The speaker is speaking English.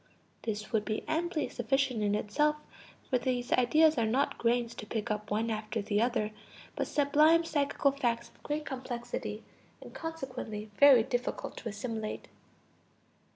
[This would be amply sufficient in itself, for these ideas are not grains to pick up one after the other, but sublime psychical facts of great complexity, and, consequently, very difficult to assimilate.